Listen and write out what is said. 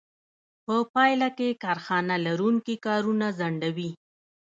په پایله کې کارخانه لرونکي کارونه ځنډوي